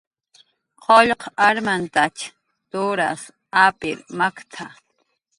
"Qullq armantach turas apir makt""a "